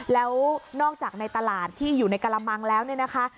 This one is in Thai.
แล้วนอกจากในตลาดที่อยู่ในกระมังแล้วเนี่ยนะคะ